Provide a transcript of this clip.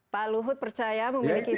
pak luhut percaya memiliki sense of crisis